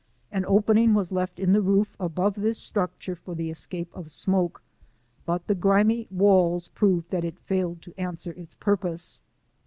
An opening was left in the roof over this structure for the escape of smoke, but the grimy walls proved that it failed to answer its purpose.